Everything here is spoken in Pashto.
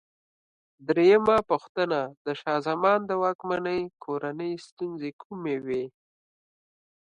درېمه پوښتنه: د شاه زمان د واکمنۍ کورنۍ ستونزې کومې وې؟